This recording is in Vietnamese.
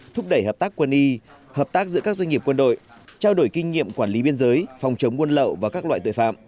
thúc đẩy hợp tác quân y hợp tác giữa các doanh nghiệp quân đội trao đổi kinh nghiệm quản lý biên giới phòng chống buôn lậu và các loại tội phạm